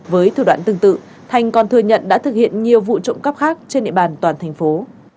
với thủ đoạn tương tự thành còn thừa nhận đã thực hiện nhiều vụ trộm cắp khác trên địa bàn toàn thành phố